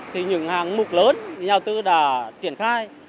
thì những hàng mục lớn nhau tư đã triển khai